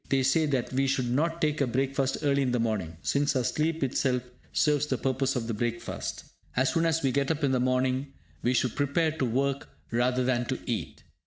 They say that we should not take a breakfast early in the morning, since our sleep itself serves the purpose of the breakfast. As soon as we get up in the morning we should prepare to work rather than to eat.